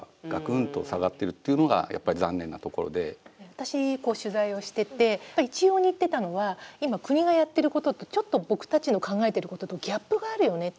私、取材をしててやっぱり、一様に言ってたのは今、国がやってることと僕たちの考えていることとギャップがあるよねと。